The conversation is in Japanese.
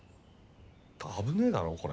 危ねえだろこれ。